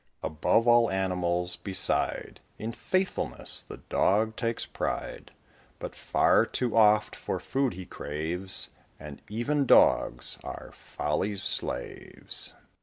Above all animals beside, In faithfulness the Dog takes pride; But, far too oft, for food he craves, And even dogs are Folly's slaves.